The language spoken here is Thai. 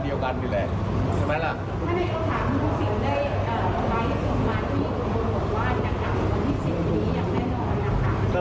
วิธีศิลป์นี้ยังแน่นอนนะครับ